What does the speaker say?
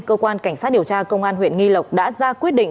công an huyện nghi lộc đã ra quyết định